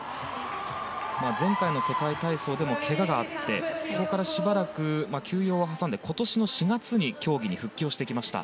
前回の世界体操でもけががあってそれからしばらく休養を挟んで今年の４月に競技に復帰してきました。